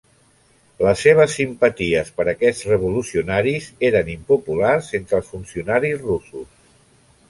Les seves simpaties per aquests revolucionaris eren impopulars entre els funcionaris russos.